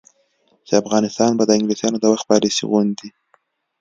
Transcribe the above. چې افغانستان به د انګلیسانو د وخت پالیسي غوندې،